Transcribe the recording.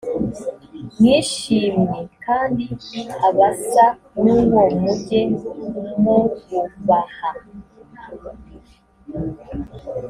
mwishimye kandi abasa n uwo mujye mububaha